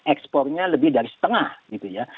ekspornya lebih dari setengah gitu ya